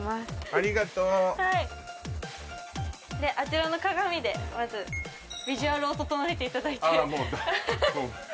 ありがとうはいであちらの鏡でまずビジュアルを整えていただいてあら